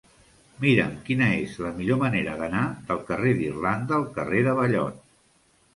Mira'm quina és la millor manera d'anar del carrer d'Irlanda al carrer de Ballot.